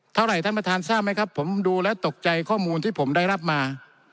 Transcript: ท่านประธานทราบไหมครับผมดูแล้วตกใจข้อมูลที่ผมได้รับมา